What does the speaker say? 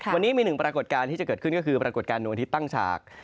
วันนี้มีหนึ่งปรากฏการณ์ที่จะเกิดขึ้นก็คือปรากฏการณอาทิตย์ตั้งฉาก